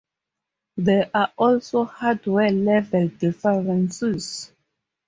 There are also hardware-level differences.